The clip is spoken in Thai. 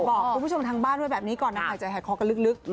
บอกคุณผู้ชมทางบ้านว่าแบบนี้ก่อนนะหายใจหายคอกันลึก